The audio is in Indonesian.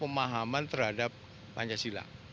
pemahaman terhadap pancasila